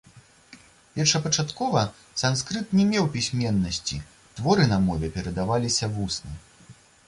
Першапачаткова санскрыт не меў пісьменнасці, творы на мове перадаваліся вусна.